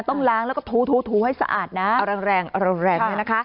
ต้องล้างแล้วก็ถูให้สะอาดนะเอาแรงเอาแรงเนี่ยนะคะ